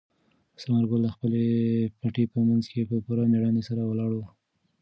ثمر ګل د خپل پټي په منځ کې په پوره مېړانې سره ولاړ و.